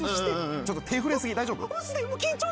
ちょっと手震え過ぎ大丈夫？